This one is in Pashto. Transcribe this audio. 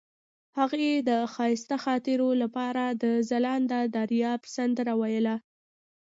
هغې د ښایسته خاطرو لپاره د ځلانده دریاب سندره ویله.